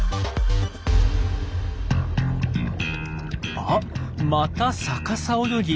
あっまた逆さ泳ぎ。